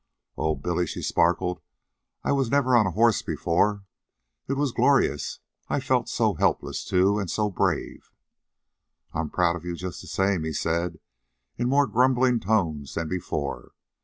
"Oh, Billy," she sparkled, "I was never on a horse before. It was glorious! I felt so helpless, too, and so brave." "I'm proud of you, just the same," he said, in more grumbling tones than before.